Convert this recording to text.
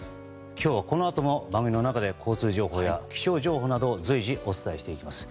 今日はこのあとも番組の中で交通情報や気象情報を随時お伝えしていきます。